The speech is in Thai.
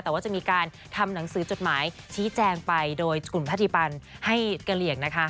แต่ว่าจะมีการทำหนังสือจดหมายชี้แจงไปโดยกลุ่มชาติภัณฑ์ให้กระเหลี่ยงนะคะ